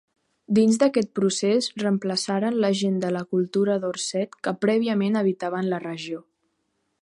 Dins d'aquest procés reemplaçaren la gent de la cultura Dorset que prèviament habitaven la regió.